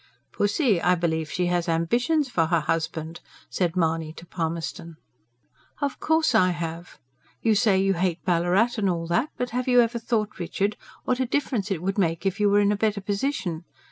"Pussy, I believe she has ambitions for her husband," said Mahony to Palmerston. "Of course I have. You say you hate Ballarat, and all that, but have you ever thought, Richard, what a difference it would make if you were in a better position?